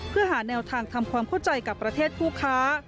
เพื่อหาแนวทางทำความเข้าใจกับประเทศผู้ค้า